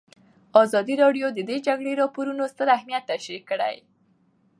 ازادي راډیو د د جګړې راپورونه ستر اهميت تشریح کړی.